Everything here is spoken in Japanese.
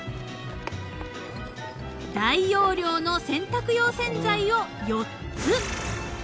［大容量の洗濯用洗剤を４つ］